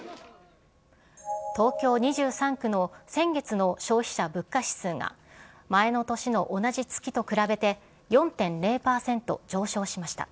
東京２３区の先月の消費者物価指数が、前の年の同じ月と比べて４．０％上昇しました。